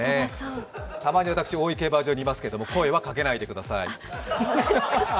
たまに私、大井競馬場にいますけど声はかけないでください。